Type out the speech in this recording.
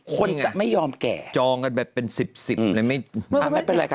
คนจะไม่ยอมแก่จองกันแบบเป็น๑๐๑๐เลยไม่ไม่เป็นไรครับ